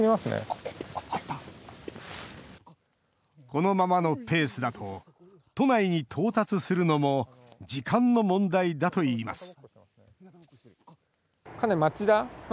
このままのペースだと、都内に到達するのも時間の問題だといいます。